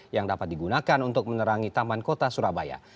yang dapat digunakan untuk menerangi taman kota surabaya